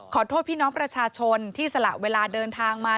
พี่น้องประชาชนที่สละเวลาเดินทางมา